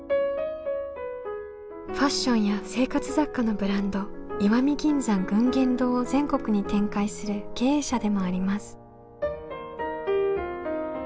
ファッションや生活雑貨のブランド「石見銀山群言堂」を全国に展開する経営者でもあります。